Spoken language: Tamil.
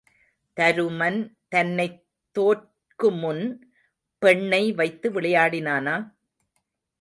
தருமன் தன்னைத் தோற்குமுன் பெண்ணை வைத்து விளையாடினானா?